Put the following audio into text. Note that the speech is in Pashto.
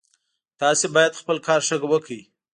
تاسو باید خپل کار ښه وکړئ